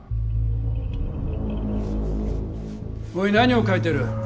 おい何を書いてる？